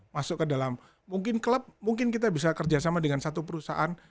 masuk ke dalam mungkin klub mungkin kita bisa kerjasama dengan satu perusahaan